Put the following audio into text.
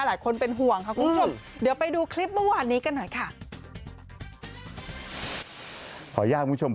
หลายคนเป็นห่วงค่ะคุณผู้ชม